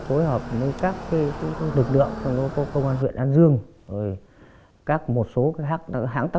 cái ảnh đối tượng này nó